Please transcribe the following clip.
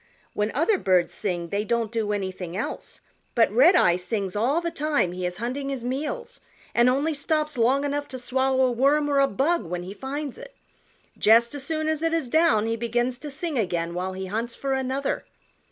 When other birds sing they don't do anything else, but Redeye sings all the time he is hunting his meals and only stops long enough to swallow a worm or a bug when he finds it. Just as soon as it is down he begins to sing again while he hunts for another.